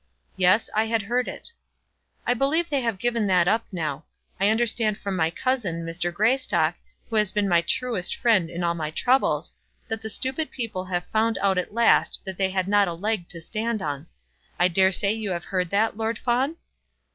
"Yes, I had heard it." "I believe they have given that up now. I understand from my cousin, Mr. Greystock, who has been my truest friend in all my troubles, that the stupid people have found out at last that they had not a leg to stand on. I daresay you have heard that, Lord Fawn?"